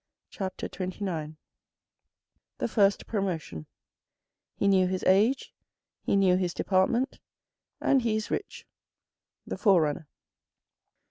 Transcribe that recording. CHAPTER XXIX THE FIRST PROMOTION He knew his age, he knew his department, and he is rich. The Forerunner.